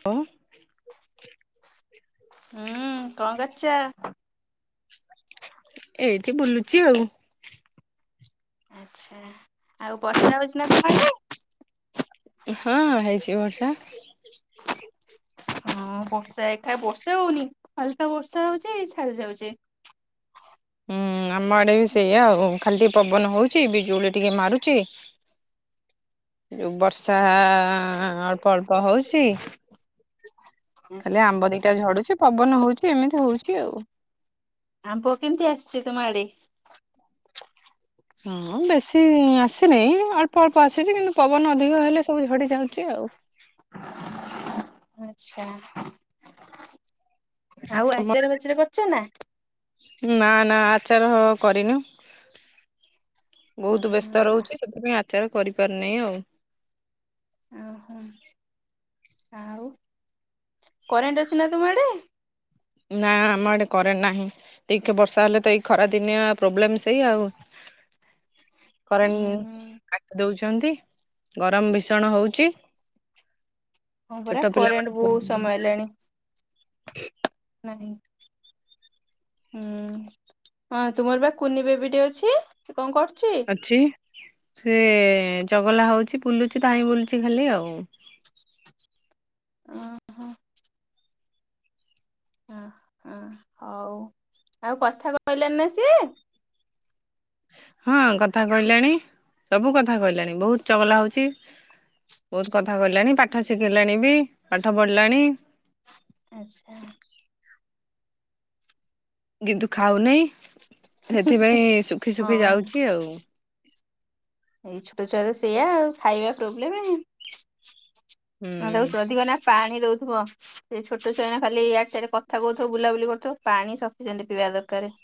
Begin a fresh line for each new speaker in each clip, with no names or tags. Hello.
ହୁଁ କଣ କରଚ?
ଏଇଠି ବୁଲୁଚି ଆଉ।
ଆଚ୍ଛା ଆଉ ବର୍ଷା ହଉଚିନା ତମ ଆଡ଼େ?
ହଁ ହେଇଚି ବର୍ଷା।
[inaudible] ହଁ ବର୍ଷା ଏକା ବର୍ଷା ହଉନି ହାଲୁକା ବର୍ଷା ହଉଚି ଛାଡ଼ି ଯାଉଚି।
ହୁଁ ଆମ ଆଡ଼େବି ସେଇଆ ଆଉ ଖାଲି ଟିକେ ପବନ ହଉଚି ବିଜୁଳି ଟିକେ ମାରୁଚି ଯୋ ବର୍ଷ ତା ଅଳ୍ପ ଅଳ୍ପ ହଉଚି ଖାଲି
ଆଚ୍ଛା।
ଆମ୍ବ ଦେ ଝଡ଼ୁଚି ପବନ ହଉଚି ଏମିତି ହଉଚି ଆଉ।
ଆମ୍ବ କେମିତି ଆସିଚି ତୁମ ଆଡ଼େ?
ହଁ ବେଶୀ ଆସିନାହିଁ ଅଳ୍ପ ଅଳ୍ପ ଆସିଚି କିନ୍ତୁ ପବନ ଅଧିକ ହେଲେ ସବୁ ଝଡ଼ି ଯାଉଚି। ଚି ଆଉ।
ଆଚ୍ଛା। ଆଉ ଆଚାର ଫଚାର କରୁଚନା?
ନା ନା ଆଚାର କରିନୁ ବହୁତ୍ ବେ ସ୍ତ ରହୁଚି ସେଥିପାଇଁ ଆଚାର କରିପାରୁନାହିଁ ଆଉ।
ଓହୋ ଆଉ କରେଣ୍ଟ ଅଛିନା ତୁମ ଆଡ଼େ?
ନା ଆମ ଆଡ଼େ କରେଣ୍ଟ ନାହିଁ। ଟିକେ ବର୍ଷା ହେଲେତ ଏଇ ଖରା ଦିନିଆ ପ୍ରୋବ୍ଲେମ୍ ସେଇ ଆଉ।
[inaudible] ଉଁ
କରେଣ୍ଟେ
ହୁଁ
କାଟି ଦଉଚନ୍ତି ଗରମ୍ ଭୀଷଣ ହଉଚି। ଛୋଟ ପିଲାମାନଙ୍କୁ
ଖାଇଲେଣି ନାହିଁ। ହୁଁ, ହଁ ତୁମରବା କୁନିିବେବିଟେ ଅଛି କଣ କରୁଚି?
ଅଛି ସେଚଗଲା ହଉଚି ବୁଲୁଚି ଧାଇଁ ବୁଲୁଚି ଖାଲି ଆଉ।
ଓ ହୋ। ଆଁ ଆଁ ଆଉ କଥା କହିଲାଣି ନା ସିଏ?
ହଁ କଥା କହିଲାଣି ସବୁ କଥା କହିଲାଣି ବହୁତ ଚଗଲା ହୋଉଚି। ବୋହୁତ କଥା କହିଲାଣି। ପାଠ ଶିଖିଲାଣି ବି ପାଠ ପଢିଲାଣି।
ଆଚ୍ଛା।
କିନ୍ତୁ ଖାଉ ନାହିଁ। ସେଥିପାଇଁ ଶୁଖି ଶୁଖି
ହଁ
ଯାଉଚି ଆଉ।
ଏଇ ଛୋଟ ଛୁଆ ତ ସେଇୟା ଆଉ ଖାଇବା ପ୍ରୋବ୍ଲେମ ଆଉ ତାକୁ
ହୁଁ
ସୋଦିବନା ପାଣି ଦୋଉଥିବ। ସେ ଛୋଟ ଛୁଆ ଏଇନା ଖାଲି ଇଆଡେ ସିଆଡେ କଥା କୋହୁଥିବ। ବୁଲାବୁଲି କରୁଥିବ, ପାଣି ସଫିସେଣ୍ଟ ପିଇବା ଦରକାର।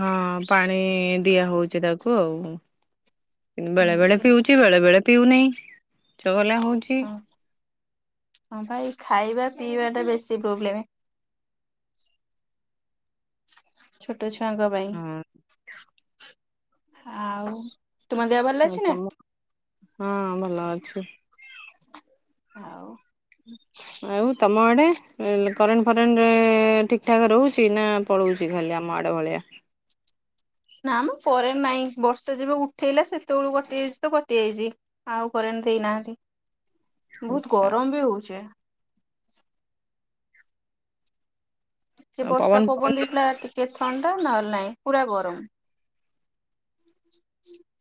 ହଁ ପାଣି ଦିଆ ହୋଉଚି ତାକୁ ଆଉ।
ହୁଁ
ବେଳେ ବେଳେ ପିଉଚି ବେଳେ ବେଳେ ପିଉନେଇ ଚଗଲା ହୋଉଚି।
ହଁ ହଁ ପା ଏଇ ଖାଇବା ପିଇବା ଟା ବେଶୀ ପ୍ରୋବ୍ଲେମ। [inaudible] ଛୋଟ ଛୁଆଙ୍କ ପାଇଁ।
ହଁ
ଆଉ ତୁମ ଦେହ ଭଲ
ହଁ
ଅଛି ନା
ତମ, ହଁ ଭଲ ଅଛୁ।
ଆଉ।
ଆଉ ତମ ଆଡେ କରେଣ୍ଟ ଫରେଣ୍ଟ ଠିକ୍ ଠାକ୍ ରହୁଚି ନା ପଳୋଉଚି ଖାଲି ଆମ ଆଡ ଭଳିଆ।
ନା ମ କରେଣ୍ଟ ନାଇଁ। ବର୍ଷା ଯେବେ ଉଠେଇଲା। ସେତେବେଳୁ କଟି ଯାଇଚି ତ କଟି ଯାଇଚି। ଆଉ କରେଣ୍ଟ ଦେଇନାହାନ୍ତି ବୋହୁତ
ଆଛା
ଗରମ ବି ହୋଉଚି। ଟିକେ
ଆଉ
ବର୍ଷା
ଫବନ
ପବନ ଦେଇଥିଲା। ଟିକେ ଥଣ୍ଡା ନହଲେ ନାଇଁ ପୁରା ଗରମ। [inaudible]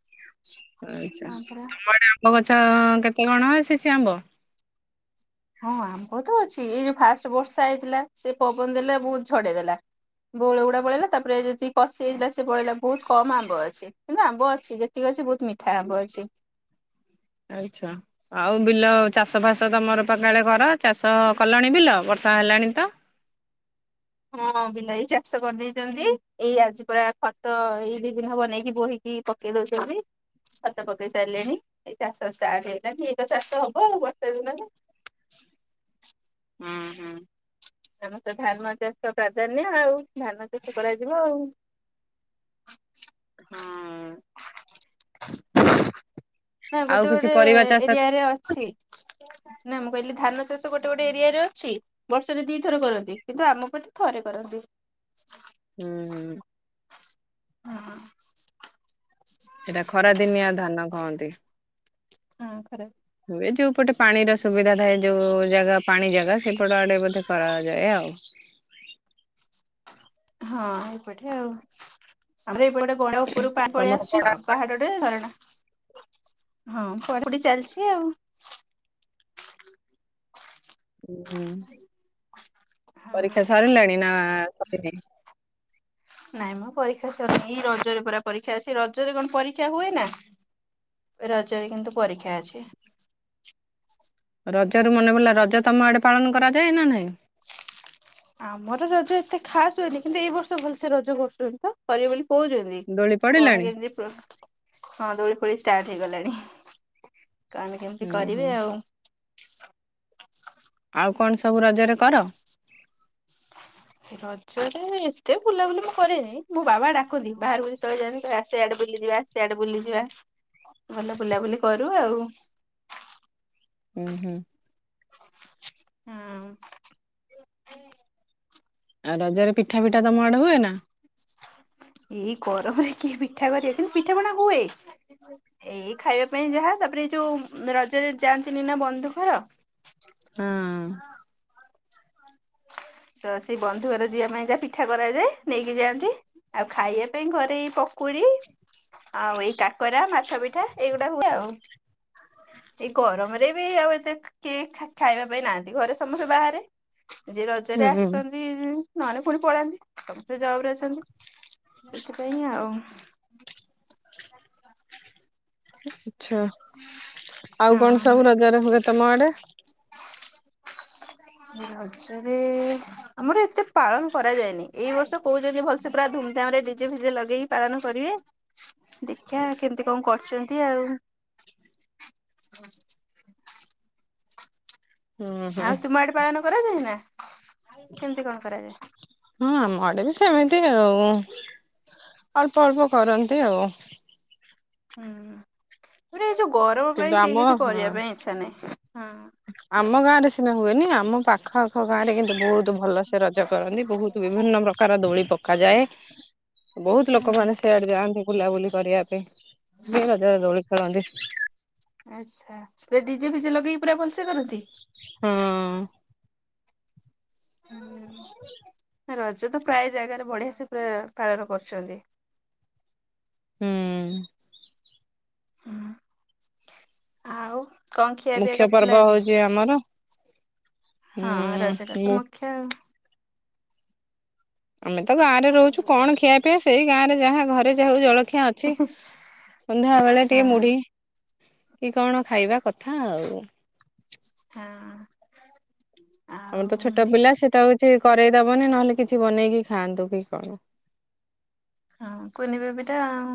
[inaudible] ଆଚ୍ଛା
ହଁ ପରା
ତମ ଆଡେ ଆମ୍ବ ଗଛ କେତେ କଣ ଆସିଚି ଆମ୍ବ?
ହଁ ଆମ୍ବ ତ ଅଛି। ଏଇ ଯୋଉ ଫାଷ୍ଟ ବର୍ଷା ହେଇଥିଲା। ସେ ପବନ ଦେଲେ ବୋହୁତ ଝଡେଇ ଦେଲା। ବଉଳ ଗୁଡା ପଳେଇଲା। ତାପରେ ଯେତିକି କଷି ହେଇଥିଲା ସେ ପଳେଇଲା ବୋହୁତ କମ। ଆମ୍ବ ଅଛି। ନା ଆମ୍ବ ଅଛି। ଯେତିକି ଅଛି ବୋହୁତ ମିଠା ଆମ୍ବ ଅଛି।
ଆଚ୍ଛା। ଆଉ ବିଲ ଚାଷ ଫାସ ତମର ପା କାଳେ କର। ଚାଷ କଲଣି ବିଲ? ବର୍ଷା ହେଲାଣି ତ।
ହଁ ବିଲ ଏଇ ଚାଷ କରିଦେଇଚନ୍ତି। ଏଇ ଆଜି ପରା ଖତ ଏଇ ଦିଇ ଦିନ ହବ ନେଇକି ବୋହି କି ପକେଇ ଦୋଉଚନ୍ତି। ଖତ ପକେଇ ସାରିଲେଣି। ଚାଷ ଷ୍ଟାର୍ଟ ହେଲାଣି ଏଇତ ଠିକ ଚାଷ ହବ ଆଉ ବର୍ଷା ଦିନରେ।
ହୁଁ ହୁଁ।
ଆମର ତ ଧାନ ଚାଷ ପ୍ରାଧାନ୍ୟ ଆଉ। ଧାନ ଚାଷ କରାଯିବ ଆଉ।
ହୁଁ।
ନା
ଆଉ
ଗୋଟେ
କିଛି
ଗୋଟେ
ପରିବା ଚାଷ
ଏରିଆରେ ଅଛି। ନା ମୁଁ କହିଲି ଧାନ ଚାଷ ଗୋଟେ ଗୋଟେ ଏରିଆରେ ଅଛି। ବର୍ଷରେ ଦି ଥର କରନ୍ତି। କିନ୍ତୁ ଆମ ପଟେ ଥରେ କରନ୍ତି।
ହୁଁ ହୁଁ।
ଓ ହଁ।
ସେଟା ଖରାଦିନିଆ ଧାନ କହନ୍ତି।
ହଁ ଖରା
ହୁଏ। ଯୋଉପଟେ ପାଣିର ସୁବିଧା ଥାଏ। ଯୋଉ ଜାଗା ପାଣି ଜାଗା। ସେପଟ ଆଡେ ବୋଧେ କରାଯାଏ ଆଉ।
ହଁ ଏପଟେରେ ଆଉ ଆମର ଏପଟେ ଗଣ୍ଡା [unintelligible] ଉପରୁ ପାଣି ପଳେଇ
ତମର
ଆସୁଚି ତ।
ପଢା
ପାହାଡଟେ ଝରଣା ହଁ। ପଢାପଢି ଚାଲିଚି ଆଉ।
ହୁଁ
ହଁ
ପରୀକ୍ଷା ସରିଲାଣି ନା ସରନି?
ହଁ ନାଇଁ ମୁଁ ପରୀକ୍ଷା ସେନ ଏଇ ରଜରେ ପୁରା ପରୀକ୍ଷା ଅସି ରଜରେ କଣ ପରୀକ୍ଷା ହୁଏ ନା। ରଜରେ କିନ୍ତୁ ପରୀକ୍ଷା ଅଛି।
ରଜ ର ମନେ ପଲା ରଜ ତମ ଆଡେ ପାଳନ କରାଯାଏ ନା ନାହିଁ?
ଆମର ରଜ ଏତେ ଖାସ ହୁଏନି କିନ୍ତୁ ଏଇ ବର୍ଷ ଭଲସେ ରଜ କରୁଛନ୍ତି ତ କରିବେ ବୋଲି କହୁଛନ୍ତି।
ଦୋଳି
କଣ
ପଡିଲାଣି?
କେମିତି ହଁ ଦୌଡି ଫୋଡି ଷ୍ଟାର୍ଟ ହେଇଗଲାଣି। କଣ କେମିତି
ହୁଁ ହୁଁ
କରିବି ଆଉ।
ଆଉ କଣ ସବୁ ରଜରେ କର।
ରଜରେ ଏତେ ବୁଲାବୁଲି ମୁଁ କରେନି ମୁଁ ବାବା ଡାକନ୍ତି ବାହାରକୁ ଯେତେବେଳେ ଯାଆନ୍ତି କହିବା ସେଆଡେ ବୁଲି ଯିବା। ସଆଡେ ବୁଲିଯିବା ଭଲ ବୁଲାବୁଲି କରୁ ଆଉ।
ହୁଁ ହୁଁ
ହଁ
ଆଉ ରଜରେ ପିଠା ତମ ଆଡେ ହୁଏ ନା।
ଏଇ ଗରମରେ କିଏ ପିଠା କରିବା କିନ୍ତୁ ପିଠା ପଣା ହୁଏ। ଏଇ ଖାଇବା ପାଇଁ ଯାହା ତାପରେ ଏଇ ଯୋଉ ରଜରେ ଯାଆନ୍ତିନି ନା ବନ୍ଧୁ ଘର।
ହଁ
ସ ସେଇ ବନ୍ଧୁ ଘର ଝଅ ପାଇଁ ଯା ପିଠା କରାଯାଏ ନେଇକି ଯାଆନ୍ତି। ଆଉ ଖାଇବା ପାଇଁ ଘରେ ଏଇ ପକୁଡି। ଆଉ ଏଇ କାକରା ମାଠ ପିଠା ଏଇଗୁଡା ହୁଏ ଆଉ। ଏଇ ଗରମ ରେ ବି ଆଉ ଏତେ। କିଏ ଖାଇବା ପାଇଁ ନାହାନ୍ତି ଘରେ ସମସ୍ତେ ବାହାରେ ଯିଏ
ହୁଁ
ରଜରେ
ହୁଁ
ଆସନ୍ତି। ନହେଲେ ପୁଣି ପଳାନ୍ତି ସମସ୍ତେ ଜବ ରେ ଅଛନ୍ତି ସେଥିପାଇଁ ଆଉ। ହ
ଆଛା ଆଉ କଣ ସବୁ ରଜ ରେ ହୁଏ ତମ ଆଡେ।
ଛରେ [unintelligible] ଆମର ଏତେ ପାଳନ କରାଯାଏନି ଏଇ ବର୍ଷ କହୁଛନ୍ତି ଭଲସେ ପୁରା ଧୁମଧାମ ରେ ଡିଜେ ଫିଜେ ଲଗେଇ। ପାଳନ କରିବେ ଦେଖା କେମିତି କଣ କରୁଛନ୍ତି ଆଉ।
ହୁଁ ହୁଁ
ଆଉ ତୁମ ଆଡେ ପାଳନ କରାଯାଏ ନାଉ କେମିତି କଣ କରାଯାଏ?
ହଁ ଆମ ଆଡେ ବି ସେମିତି ଆଉ ଅଳ୍ପ ଅଳ୍ପ କରନ୍ତି ଆଉ।
ହୁଁ ପୁରା ଏ ଯୋଉ ଗରମ
କିନ୍ତୁ
ପାଇଁ
ଆମ
କେହି କିଛି
ହଁ
କରିବା ପାଇଁ ଇଚଛା ନାହିଁ ହୁଁ।
ଆମ ଗାଁ ରେ ସିନା ହୁଏନି ଆମ ପାଖ। ଆଖ ଆଖ ଗାଁ ରେ କିନ୍ତୁ ବହୁତ ଭଲସେ ରଜ କରନ୍ତି ବହୁତ ବିଭିନ୍ନ ପ୍ରକାର ଦୋଳି ପକାଯାଏ। ବହୁତ ଲୋକମାନେ
ହୁଁ
ସେଆଡେ ଯାଆନ୍ତି ବୁଲାବୁଲି କରିବା ପାଇଁ ରଜରେ ଦୋଳି ଖେଳନ୍ତି।
ଆଚ୍ଛା ପୁରା ଡିଜେ ଫିଜେ ଲଗେଇକ ପୁରା ଭଲସେ କରନ୍ତି।
ହଁ
ରଜ ତ ପ୍ରାୟ ଜାଗାରେ ବଢିଆ ସେ ପାଳନ କରୁଛନ୍ତି।
ହୁଁ
ହୁଁ ଆଉ କଣ ଖିଆ ପିଇଆ
ମୁଖ୍ୟ ପର୍ବ
କରିଥିଲା ଆଜି?
ହଉଛି ଆମର
ହଁ ରଜଟା
ଉଁ
ତ
ମୁଁ
ମୁଖ୍ୟ ଆଉ।
ଆମେ ତ ଗାଁ ରେ ରହୁଛୁ କଣ ଖିଆ ପିଇଆ ସେଇ ଗାଁ ରେ ଯାହା ଘରେ ଯାହା ହଉ ଜଳଖିଆ ଅଛି। ସନ୍ଧ୍ୟା ବେଳେ ଟିକେ
ହଁ
ମୁଢି କି କଣ ଖାଇବା କଥା ଆଉ।
ହଁ
ଆମର
ଆଉ
ତ ଛୋଟ ପିଲା ସେଟଉ କିଛି କରରେଇ ଦବନି ନହେଲେ କିଛି ବନେଇକି ଖାଆନ୍ତୁ କି କଣ।
ହଁ କୁନି ବେବିଟା ଆଉ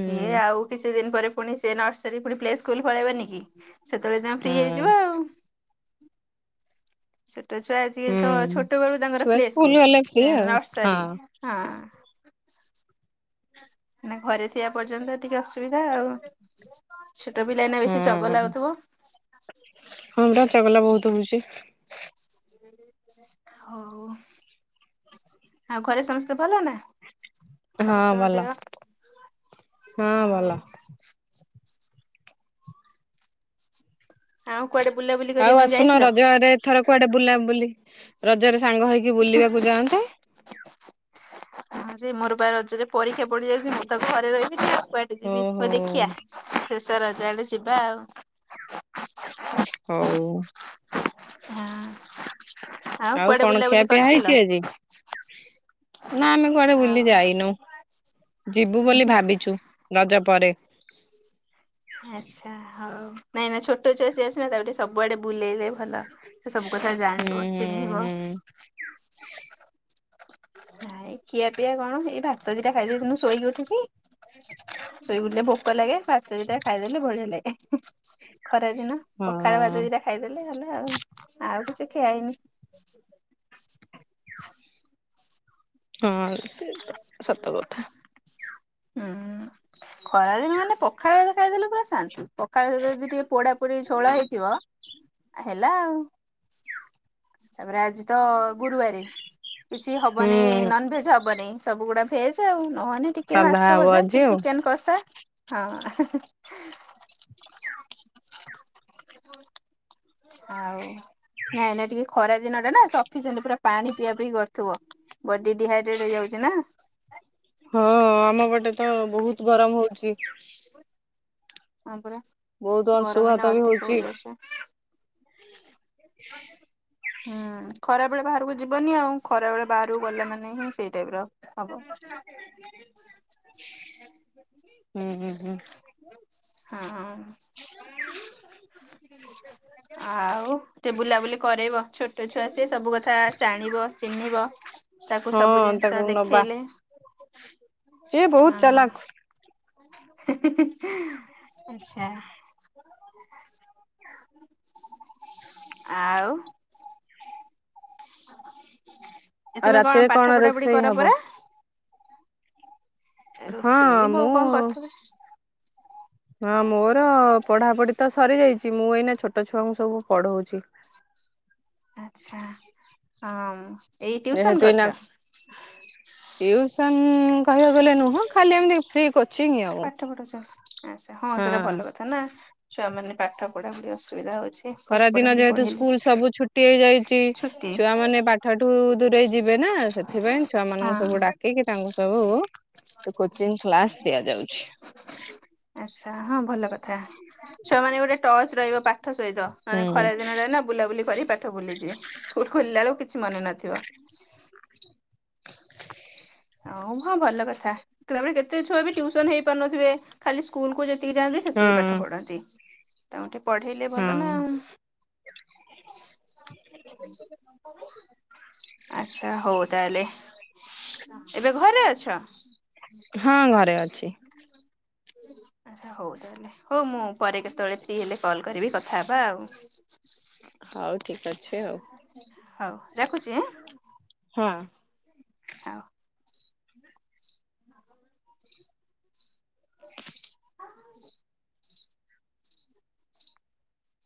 ସିଏ ଆଉ କିଛି ଦିନ ପରେ। ପୁଣି ସେ ନର୍ସରୀ ପୁଣି ପ୍ଲେ ସ୍କୁଲ ପଳେଇବନି କି ସେତେବେଳେ ଦିନେ ଫ୍ରି
ହଁ
ହେଇଯିବ ଆଉ। ଛୋଟ ଛୁଆ ଆଜିକାଲି ତ
ହୁଁ
ଛୋଟ ବେଳୁ ତାଙ୍କର
ଛୁଆ
ପ୍ଲେ ସ୍କୁଲ
ଗଲେ ଫ୍ରି ଆଉ ହଁ
ନର୍ସରୀ। ହଁ। ଘରେ ଥିବା ପର୍ଯ୍ୟନ୍ତ ଟିକେ ଅସୁବିଧା ଆଉ। ଛୋଟ ପିଲାଇନା ବେଶୀ ଚଗଲା ହଉଥିବ।
ହଁବା ଚଗଲା ବହୁତ ହଉଛି।
ହଉ। ଆଉ ଘରେ ସମସ୍ତେ ଭଲ ନା?
ହଁ
ସମସ୍ତଙ୍କ
ଭଲ
ଦେହ
ହଁ ଭଲ
ଆଉ ଆଉ କୁଆଡେ ବୁଲା ବୁଲି
ଆଉ ଆସୁନ ରଜରେ ଆରେ ଏଥର କୁଆଡେ ବୁଲା ବୁଲି ରଜରେ ସାଙ୍ଗ ହେଇକି ବୁଲିବାକୁ ଯାଆନ୍ତେ।
ହଁ [unintelligible] ହଁ ସେ ମୋର ବା ରଜରେ ପରୀକ୍ଷା ପଡିଯାଇଛି ମୁଁ ତ ଘରେ ରହିବିନି କୁଆଡେ ଯିବି
ଓହୋ
ହଉ ଦେଖିଆ। ଶେଷ ରଜ ଆଡେ ଯିବା ଆଉ
ହଉ।
ହଁ
ଆଉ
କୁଆଡେ
କଣ
ବୁଲାବୁଲି
ଖିଆପିଆ
କରିଥିଲ?
ହେଇଛି ଆଜି। ନା ଆମେ କୁଆଡେ
ଆଉ
ବୁଲି ଯାଇନୁ ଯିବୁ ବୋଲି ଭାବିଛୁ। ରଜ ପରେ
ଆଛା ହଉ ନାଇଁ ନାାଇ ଛୋଟ ଛୁଆ ସୀଏ ଆସିଲେ ତାକୁ ଟିକେ ସବୁଆଡେ ବୁଲେଇଲେ ଭଲ। ସବୁ କଥା
ହୁଁ
ଜାଣିବ
ହୁଁ
ଚିହ୍ନିବ।
ହୁଁ
ନାଇ ଖିଆ ପିଆ କଣ ଏଇ ଭାତ ଦିଟା ଖାଇଦେଇଥିନୁ ଶୋଇକି ଉଠିନି। ଶୋଇକି ଉଠିଲେ ଭୋକ ଲାଗେ ଭାତ ଦିଟା ଖାଇଦେଲେ ବଢିଆ ଲାଗେ। ଖରା ଦିନ ପଖାଳ ଭାତ
ହଁ
ଦିଟା ଖାଇଦେଲେ ହେଲା ଆଉ କିଛି ଖିଆ ହେଇନି।
ହଁ ସେ ସତ କଥା।
ହୁଁ ଖରାଦିନ ମାନେ ପଖାଳ ଭାତ ଖାଇଦେଲେ ପୁରା ଶାନ୍ତି। ପଖାଳ ସହିତ ଯଦି ଟିକେ ପୋଡା ପୋଡି ଝୋଳ ହେଇଥିବ ହେଲା ଆଉ। ତାପରେ ଆଜି ତ ଗୁରୁବାରେ କିଛି
ହୁଁ
ହବନିଁ ନନଭେଜ ହବନି। ନାଇଁ ସବୁଗୁଡା ଭେଜ ଆଉ ନହନେ ଟିକେ
ସାଧା
ମାଛ
ହବ
ଭଜା
ଆଜି
କି
ଆଉ।
ଚିକେନ କଷା ହଁ। ଆଉ ନାଇଁ ନା ଟିକେ ଖରା ଦିନ ଟା ନା ସଫିସିଏଣ୍ଟ ପୁରା ପାଣି ପିଇବା ପି କରୁଥିବ ବଡି ଡିହାଇଡ୍ରେଟ ହେଇଯାଉଛି ନା।
ହଁ ଆମ ପଟେ ତ ବହୁତ ଗରମ ହଉଛି।
ହଁ ପରା।
ବହୁତ ଅଂଶୁଘାତ ବି ହଉଛି।
ଆ [unintelligible] ହୁଁ ଖରା ବେଳେ ବାହାରକୁ ଯିବନି ଆଉ ଖରା ବେଳେ ବାହାରକୁ ଗଲା ମାନେ ହିଁ ସେଇ ଟାଇପ ର। ହବ
[inaudible] ହୁଁ
ହଁ। ଆଉ। ଟିକେ ବୁଲାବୁଲି କରେଇବ ଛୋଟ ଛୁଆ ସିଏ ସବୁ କଥା ଜାଣିବ ଚିହ୍ନିବ। ତାକୁ ସବୁ
ହଁ
ଜିନିଷ
ତାକୁ
ଦେଖେଇଲେ।
ଇଏ ବହୁତ ଚାଲାକ।
ହେଁ ହେଁ ହେଁ ଆଛା। ଆଉ। ଏ
ଆଉ
ତମେ
ରାତିରେ
କଣ ପାଠ ପଢା ପଢି
ରୋଷେଇ
କର
ହବ?
ପରା?
ହଁ
ରୋଷେଇ ବୋଉ
ମୁଁ
କଣ କରୁଥିବେ।
ହଁ ମୋର ପଢାପଢି ତ ସରି ଯାଇଛି ମୁଁ ଏଇନା ଛୋଟ ଛୁଆଙ୍କୁ ସବୁ ପଢଉଛି।
ଆଚ୍ଛା, ହଁ। ଏଇ ଟିଉସନ
ଯେହେତୁ
କରୁଛ
ଏଇନା ଟିଉଁସନ୍ କହିବାକୁ ଗଲେ ନୁହଁ ଖାଲି ଏମିତି ଫ୍ରି କୋ
ପାଠ ପଢୁଛନ୍ତି ଆଚ୍ଛା, ହଁ ସେଇଟା ଭଲ କଥା। କାହିଁକି ନା ଛୁଆ ମାନେ ପାଠ ପଢାପଢି ଅସୁବିଧା ହଉଛି। ପାଠ
ଖରାଦିନ
ପଢାପଢି
ଯେହେତୁ
ପଢେଇଲେ
ସ୍କୁଲ୍ ସବୁ ଛୁଟି ହେଇଯାଇଛି।
ଛୁଟି
ଛୁଆମାନେ ପାଠଠୁ ଦୂରେଇ ଯିବେ ନା, ସେଥିପାଇଁ ଛୁଆ ମାନଙ୍କୁ
ହଁ।
ସବୁ ଡାକିକି ତାଙ୍କୁ ସବୁ କୋଚିଂ କ୍ଲାସ ଦିଆଯାଉଛି।
ଆଚ୍ଛା ହଁ, ଭଲ କଥା ଛୁଆ ମାନେ ଗୋଟେ ଟଚ୍ ରହିବ ପା ପାଠ ସହିତ ମାନେ
ହୁଁ
ଖରା ଦିନଟା ନା ବୁଲାବୁଲି କରି ପାଠ ଭୁଲିଯିବେ, ସ୍କୁଲ ଖୋଲିଲା ବେଳକୁ କିଛି ମନେ ନଥିବ। ହଉ ହଁ ଭଲ କଥା, [inaudible] କେତେ ଛୁଆ ବି ଟ୍ୟିଉସନ ହେଇ ପାରୁନଥିବେ, ଖାଲି ସ୍କୁଲ୍ କୁ ଯ ତିକି ଯାଆନ୍ତି
ହଁ
ସେତିକି ପାଠ ପଢନ୍ତି, ତାଙ୍କୁ ଟିକେ ପଢେଇଲେ
ହଁ
ଭଲ ନା ଆଉ। ହଁ [unintelligible] ଆଚ୍ଛା, ହଉ ତାହଲେ। ଏବେ ଘରେ ଅଛ?
ହଁ, ଘରେ ଅଛି।
ଆଚ୍ଛା, ହଉ ତାହେଲେ, ହଉ ମୁଁ ପରେ କେତେବେଳେ ଫ୍ରି ହେଲେ କଲ କରିବି କଥା ହେବା ଆଉ।
ହଉ ଠିକ ଅଛି ଆଉ
ହଉ ରଖୁଛି ଆଁ।
ହଁ।
ହଉ।
[unintelligible]
ହ [unintelligible]